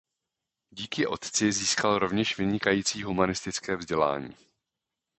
Díky otci získal rovněž vynikající humanistické vzdělání.